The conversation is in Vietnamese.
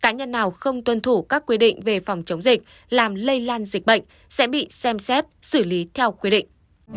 nếu không tuân thủ các quy định về phòng chống dịch làm lây lan dịch bệnh sẽ bị xem xét xử lý theo quy định